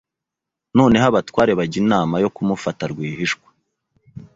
Noneho abatware bajya inama yo kumufata rwihishwa